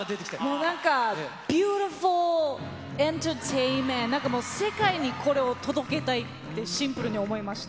もうなんか、ビューティフルエンターテインメント、世界にこれを届けたいってシンプルに思いました。